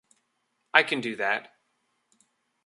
I can do that.